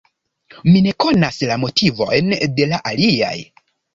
Mi ne konas la motivojn de la aliaj.